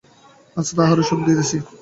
আজ তাহারই শোধ দিতেছি।